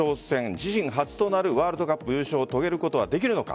自身初となるワールドカップ優勝を遂げることはできるのか。